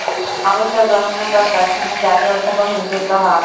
অবসর গ্রহণের পর দর্শনের জাতীয় অধ্যাপক নিযুক্ত হন।